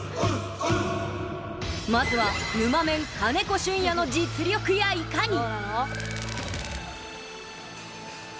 まずは、ぬまメン、金子隼也の実力やいかに？